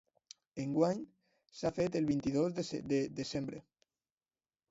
Enguany s’ha fet el vint-i-dos de desembre.